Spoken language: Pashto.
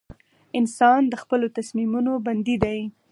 • انسان د خپلو تصمیمونو بندي دی.